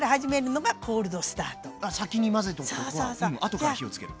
後から火をつける。